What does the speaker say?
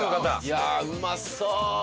いやあうまそう！